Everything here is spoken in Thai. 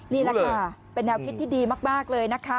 นี่แหละค่ะเป็นแนวคิดที่ดีมากเลยนะคะ